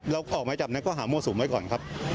ออกหมายจับในข้อหามั่วสุมไว้ก่อนครับ